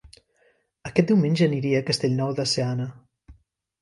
Aquest diumenge aniré a Castellnou de Seana